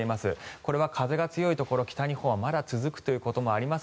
これは風が強いところ北日本はまだ続くというところもあります